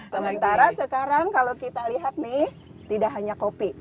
sementara sekarang kalau kita lihat nih tidak hanya kopi